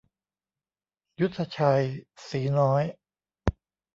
ยุทธชัย สีน้อย